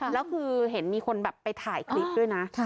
แล้วคือเห็นมีคนแบบไปถ่ายคลิปด้วยนะ